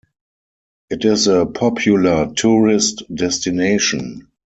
It is a popular tourist destination.